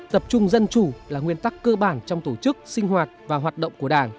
tập trung dân chủ là nguyên tắc cơ bản trong tổ chức sinh hoạt và hoạt động của đảng